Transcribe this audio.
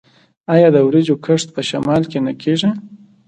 آیا د وریجو کښت په شمال کې نه کیږي؟